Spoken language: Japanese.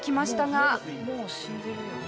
もう死んでるよね？